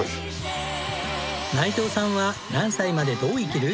内藤さんは何歳までどう生きる？